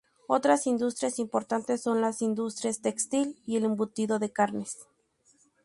Otras industrias importantes son la industria textil y el embutido de carnes.